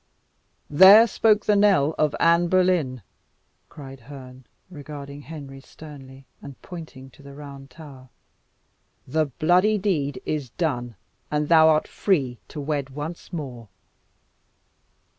"There spoke the knell of Anne Boleyn!" cried Herne, regarding Henry sternly, and pointing to the Round Tower. "The bloody deed is done, and thou art free to wed once more.